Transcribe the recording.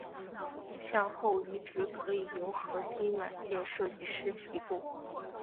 向后移植可以由核心软件设计师提供。